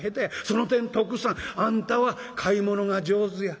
その点徳さんあんたは買い物が上手や。